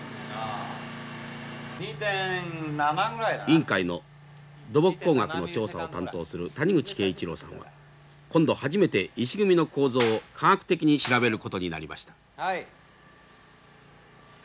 委員会の土木工学の調査を担当する谷口敬一郎さんは今度初めて石組みの構造を科学的に調べることになりました。